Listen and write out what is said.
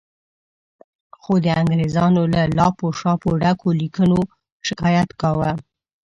خو د انګریزانو له لاپو شاپو ډکو لیکونو شکایت کاوه.